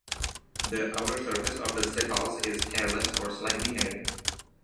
The outer surface of the sepals is hairless or slightly hairy.